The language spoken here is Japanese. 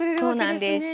そうなんです。